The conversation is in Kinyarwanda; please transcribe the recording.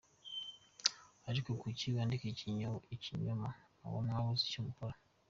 Ariko kuki mwandika ibinyoma muba mwabuze icyo mukora?